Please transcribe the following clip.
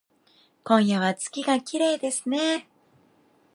今夜は月がきれいですね